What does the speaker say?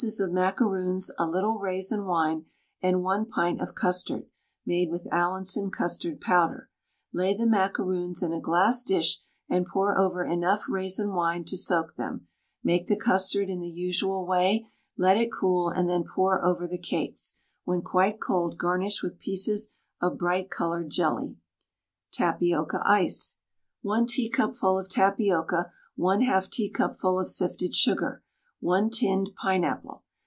of macaroons, a little raisin wine and 1 pint of custard, made with Allinson custard powder; lay the macaroons in a glass dish and pour over enough raisin wine to soak them, make the custard in the usual way, let it cool and then pour over the cakes; when quite cold garnish with pieces of bright coloured jelly. TAPIOCA ICE. 1 teacupful of tapioca, 1/2 teacupful of sifted sugar, 1 tinned pineapple.